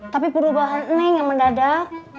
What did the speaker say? tapi perubahan neng yang mendadak